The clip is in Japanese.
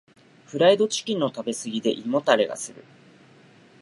フライドチキンの食べ過ぎで胃もたれがする。